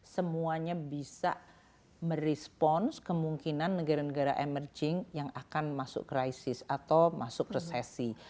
semuanya bisa merespons kemungkinan negara negara emerging yang akan masuk krisis atau masuk resesi